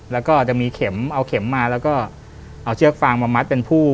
แล้วก็จะมีเข็มเอาเข็มมาแล้วก็เอาเชือกฟางมามัดเป็นผู้